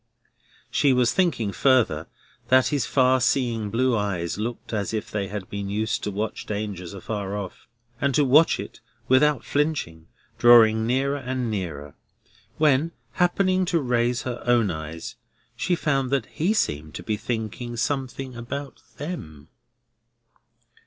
She was thinking further, that his far seeing blue eyes looked as if they had been used to watch danger afar off, and to watch it without flinching, drawing nearer and nearer: when, happening to raise her own eyes, she found that he seemed to be thinking something about them.